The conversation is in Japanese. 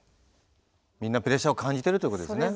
みんなプレッシャーを感じてるということですね。